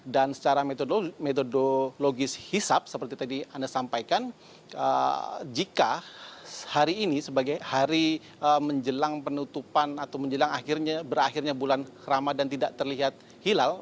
dan secara metodologis hisap seperti tadi anda sampaikan jika hari ini sebagai hari menjelang penutupan atau menjelang akhirnya berakhirnya bulan ramadan tidak terlihat hilal